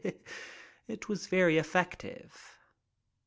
It was very effective.